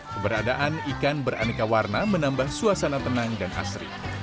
keberadaan ikan beraneka warna menambah suasana tenang dan asri